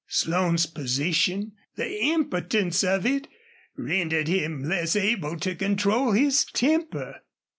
Slone's position, the impotence of it, rendered him less able to control his temper.